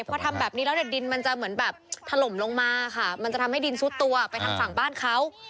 พอทำแบบนี้แล้วเนี่ยดินมันจะเหมือนแบบถล่มลงมาค่ะมันจะทำให้ดินซุดตัวไปทางฝั่งบ้านเขา